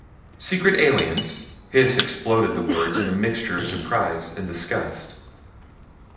"Secret aliens?" Hys exploded the words in a mixture of surprise and disgust.